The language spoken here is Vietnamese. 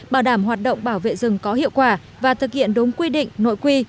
bảo đảm hoạt động bảo vệ rừng có hiệu quả và thực hiện đúng quy định nội quy